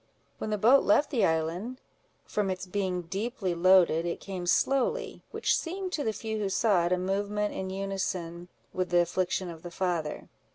When the boat left the island, from its being deeply loaded, it came slowly, which seemed to the few who saw it, a movement in unison with the affliction of the father.